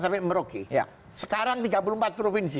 sampai merauke sekarang tiga puluh empat provinsi